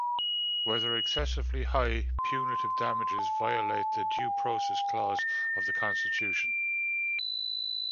Whether excessively high punitive damages violate the Due Process clause of the Constitution.